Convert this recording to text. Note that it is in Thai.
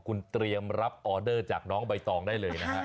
คุณเตรียมรับออเดอร์จากน้องใบตองได้เลยนะฮะ